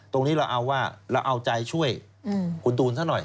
ตรงนี้เราเอาว่าเราเอาใจช่วยคุณตูนซะหน่อย